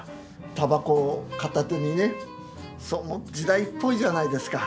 タバコを片手にね。時代っぽいじゃないですか。